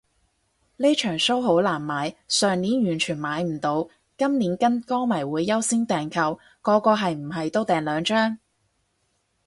呢場騷好難買，上年完全買唔到，今年跟歌迷會優先訂購，個個係唔係都訂兩張